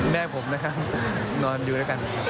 แม่ผมนะครับนอนอยู่ด้วยกันนะครับ